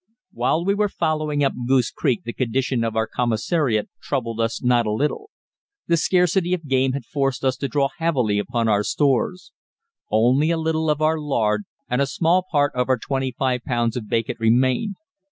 While we were following up Goose Creek the condition of our commissariat troubled us not a little. The scarcity of game had forced us to draw heavily upon our stores. Only a little of our lard and a small part of our twenty five pounds of bacon remained.